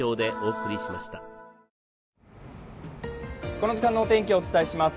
この時間のお天気、お伝えします。